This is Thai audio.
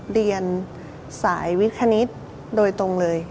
เรียนสายวิคณิตโดยตรงเลย